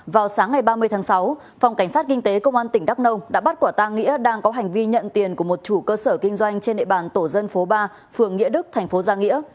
vào sáng ngày ba mươi tháng sáu phòng cảnh sát kinh tế công an tỉnh đắk nông đã bắt quả tang nghĩa đang có hành vi nhận tiền của một chủ cơ sở kinh doanh trên địa bàn tổ dân phố ba phường nghĩa đức thành phố giang nghĩa